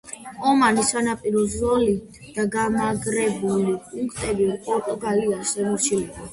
ომანის სანაპირო ზოლი და გამაგრებული პუნქტები პორტუგალიას ემორჩილებოდა.